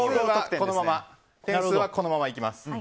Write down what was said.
点数はこのままいきます。